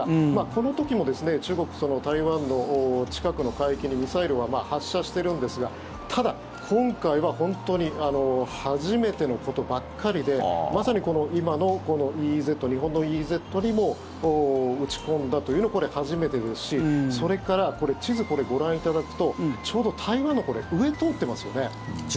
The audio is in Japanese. この時も中国、台湾の近くの海域にミサイルは発射してるんですがただ、今回は本当に初めてのことばかりでまさに今の日本のＥＥＺにも撃ち込んだというのは初めてですしそれから地図をご覧いただくとちょうど台湾の上を通っていますよね。